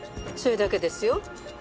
それだけですよ。